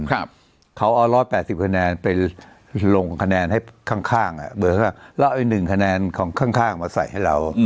ครับเขาเอาร้อย๘๐คะแนนไปลงคะแนนให้ข้างเบอร์เขาล้อไป๑คะแนนของข้างเขามาใส่ให้เรา